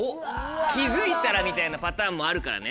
気付いたらみたいなパターンもあるからね。